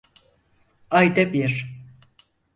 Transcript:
Ayda bir.